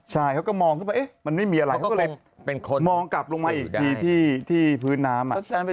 ใช่เขาก็มองขึ้นไปมันไม่มีอะไรเขาก็เลยมองกลับลงมาอีกทีที่พื้นน้ำ